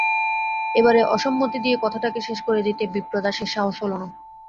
এবারে অসম্মতি দিয়ে কথাটাকে শেষ করে দিতে বিপ্রদাসের সাহস হল না।